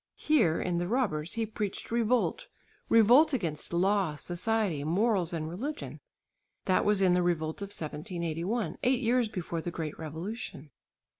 Here (in "The Robbers") he preached revolt, revolt against law, society, morals and religion. That was in the revolt of 1781 eight years before the great revolution.